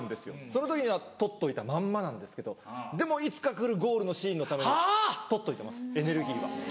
その時には取っといたまんまなんですけどでもいつか来るゴールのシーンのために取っといてますエネルギーは。